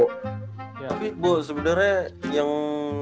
tapi bu sebenernya yang